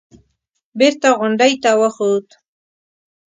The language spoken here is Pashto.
بېرته غونډۍ ته وخوت.